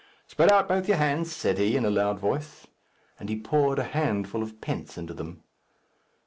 "Spread out both your hands," said he, in a loud voice. And he poured a handful of pence into them.